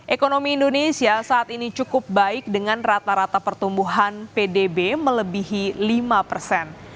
ekonomi indonesia saat ini cukup baik dengan rata rata pertumbuhan pdb melebihi lima persen